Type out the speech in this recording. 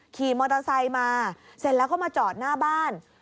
ขี่มอเตอร์ไซค์มาเสร็จแล้วก็มาจอดหน้าบ้าน